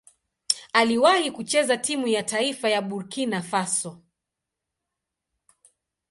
Aliwahi kucheza timu ya taifa ya Burkina Faso.